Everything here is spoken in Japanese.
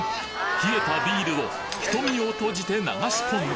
冷えたビールを瞳を閉じて流し込んだ！